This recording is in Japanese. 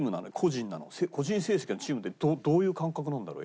個人成績はチームでどういう感覚なんだろう？